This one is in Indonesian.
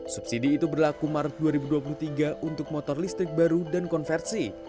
subsidi itu berlaku maret dua ribu dua puluh tiga untuk motor listrik baru dan konversi